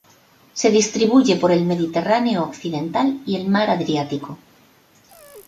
Se distribuye por el Mediterráneo occidental y el mar Adriático.